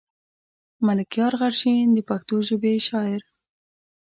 ملکيار غرشين د پښتو ژبې شاعر.